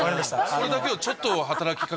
それだけをちょっと、働きか